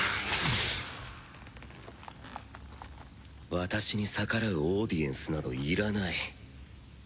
私に逆らうオーディエンスなどいらない。